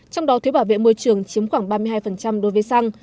trong đó thuế bảo vệ môi trường chiếm khoảng ba mươi hai đối với xăng